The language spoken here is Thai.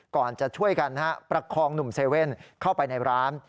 ก่อนจะช่วยกันประคองหนุ่มเซเว่นเข้าไปในร้าน